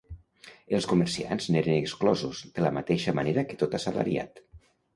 Els comerciants n'eren exclosos, de la mateixa manera que tot assalariat.